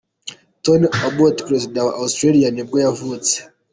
Tony Abbott, perezida wa Australia nibwo yavutse.